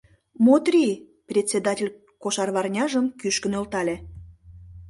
Мотри! — председатель кошарварняжым кӱшкӧ нӧлтале.